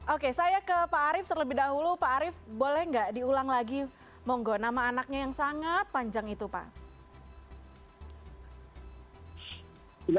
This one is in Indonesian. oke saya ke pak arief terlebih dahulu pak arief boleh nggak diulang lagi monggo nama anaknya yang sangat panjang itu pak